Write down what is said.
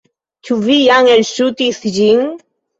Ĉu vi jam elŝutis ĝin?